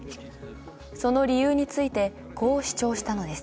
その理由についてこう主張したのです。